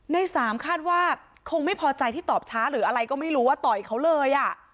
ในสามคาดว่าคงไม่พอใจที่ตอบช้าหรืออะไรก็ไม่รู้ว่าต่อยเขาเลย